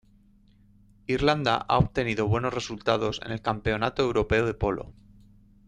Irlanda ha obtenido buenos resultados en el Campeonato Europeo de Polo.